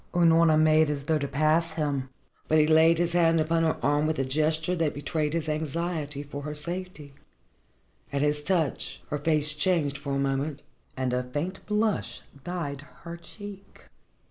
Unorna made as though she would pass him. But he laid his hand upon her arm with a gesture that betrayed his anxiety for her safety. At his touch, her face changed for a moment and a faint blush dyed her cheek.